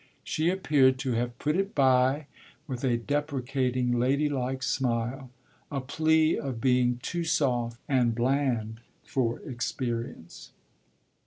She appeared to have put it by with a deprecating, ladylike smile a plea of being too soft and bland for experience.